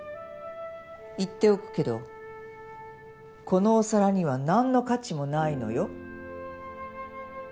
言っておくけどこのお皿には何の価値もないのよ。